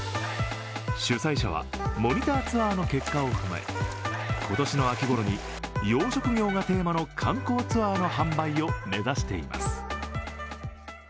主催者は、モニターツアーの結果を踏まえ今年の秋ごろに養殖業がテーマの観光ツアーの販売を目指しています。